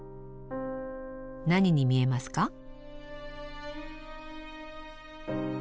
何に見えますか？